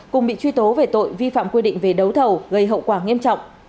cùng bị truy tố về tội vi phạm quy định về đấu thầu gây hậu quả nghiêm trọng